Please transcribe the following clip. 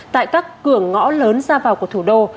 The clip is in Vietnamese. tại các cửa ngõ lớn ra vào của thủ đô